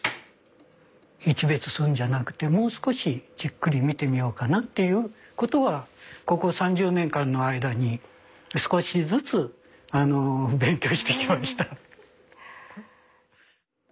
いちべつするんじゃなくてもう少しじっくり見てみようかなっていうことはここ３０年間の間に少しずつ勉強してきました。